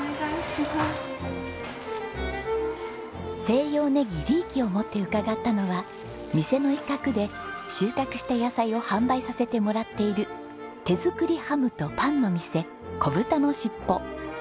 西洋ネギリーキを持って伺ったのは店の一角で収穫した野菜を販売させてもらっている手作りハムとパンの店こぶたのしっぽ。